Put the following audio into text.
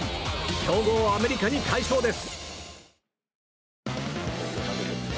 強豪アメリカに快勝です。